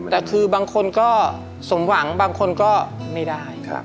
แต่คือบางคนก็สมหวังบางคนก็ไม่ได้